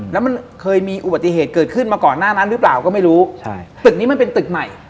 แล้วมันเคยมีอุบัติเหตุเกิดขึ้นมาก่อนหน้านั้นหรือเปล่าก็ไม่รู้ใช่ตึกนี้มันเป็นตึกใหม่